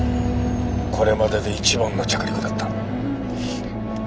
これまでで一番の着陸だった。